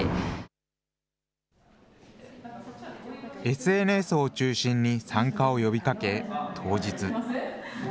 ＳＮＳを中心に、参加を呼びかけ、当日。